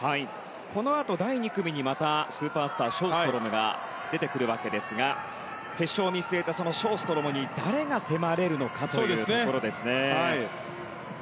このあと、第２組にまた、スーパースターショーストロムが出てくるわけですが決勝を見据えてショーストロムに誰が迫れるのかというところですね。